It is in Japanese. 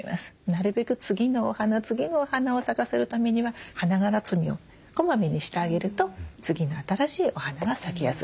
なるべく次のお花次のお花を咲かせるためには花がら摘みをこまめにしてあげると次の新しいお花が咲きやすいです。